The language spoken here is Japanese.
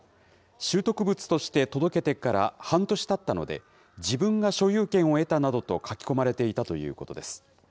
拾得物として届けてから半年たったので、自分が所有権を得たなどと書き込まれていたということです。